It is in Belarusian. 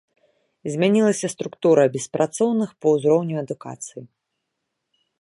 Змянілася структура беспрацоўных па ўзроўні адукацыі.